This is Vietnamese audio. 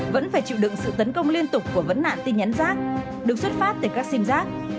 vẫn phải chịu đựng sự tấn công liên tục của vấn nạn tin nhắn rác được xuất phát từ các sim giác